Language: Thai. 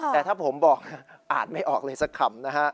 แต่ถ้าผมบอกอ่านไม่ออกเลยสักคำนะฮะ